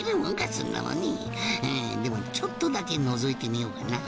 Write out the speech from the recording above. そんなもんにあぁでもちょっとだけのぞいてみようかな